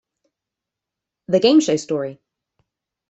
The Game Show Story.